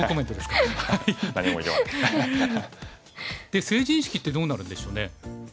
で成人式ってどうなるんでしょうね。